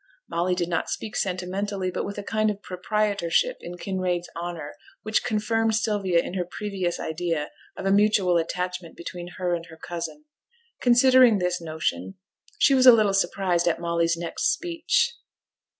Molly did not speak sentimentally, but with a kind of proprietorship in Kinraid's honour, which confirmed Sylvia in her previous idea of a mutual attachment between her and her cousin. Considering this notion, she was a little surprised at Molly's next speech.